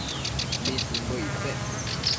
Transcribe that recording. ¿mitsimbo icpec